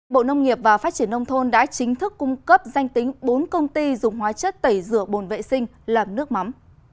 bộ nông nghiệp và phát triển nông thôn đã chính thức cung cấp danh tính bốn công ty dùng hóa chất tẩy rửa bồn vệ sinh làm nước mắm